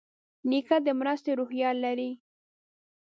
نیکه د مرستې روحیه لري.